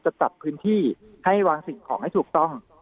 จัดพื้นที่ให้วางสิ่งของให้ถูกต้อง